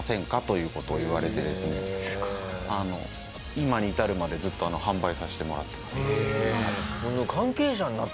今に至るまでずっと販売させてもらってます。